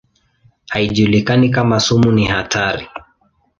Haijulikani kama sumu ni hatari.